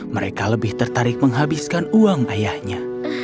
mereka lebih tertarik menghabiskan uang ayahnya